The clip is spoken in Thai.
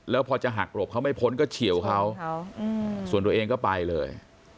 แล้วพอจะหักหลบเขาไม่พ้นก็เฉียวเขาส่วนตัวเองก็ไปเลย